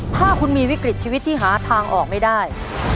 ถ้าคุณมีวิกฤตชีวิตที่หาทางออกไม่ได้